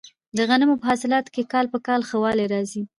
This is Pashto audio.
د غنمو په حاصلاتو کې کال په کال ښه والی راځي.